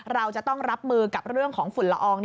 เราจะต้องรับมือกับเรื่องของฝุ่นละออง